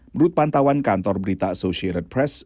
menurut pantauan kantor berita societ press